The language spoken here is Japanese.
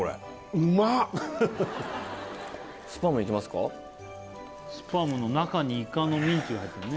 うまっスパムの中にイカのミンチが入ってるのね